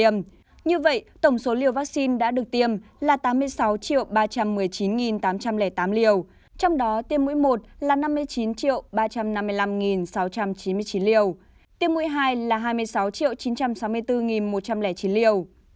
như vậy tổng số liều vaccine đã được tiêm là tám mươi sáu ba trăm một mươi chín tám trăm linh tám liều trong đó tiêm mũi một là năm mươi chín ba trăm năm mươi năm sáu trăm chín mươi chín liều tiêm mũi hai là hai mươi sáu chín trăm sáu mươi bốn một trăm linh chín liều